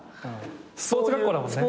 スポーツ学校だもんね。